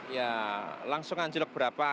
ya langsung anjlok berapa